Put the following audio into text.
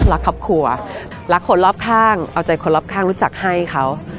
รักครอบครัวรักคนรอบข้างเอาใจคนรอบข้างรู้จักให้เขา